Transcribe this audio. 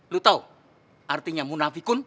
lo tau artinya munafikun